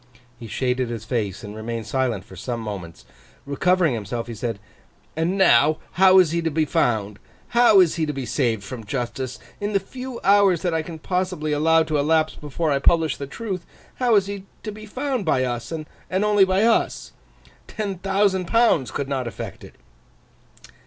He shaded his face, and remained silent for some moments. Recovering himself, he said: 'And now, how is he to be found? How is he to be saved from justice? In the few hours that I can possibly allow to elapse before I publish the truth, how is he to be found by us, and only by us? Ten thousand pounds could not effect it.